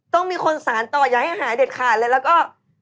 ต้องมีคนสารต่ออย่าให้หายเด็ดขาดเลยแล้วก็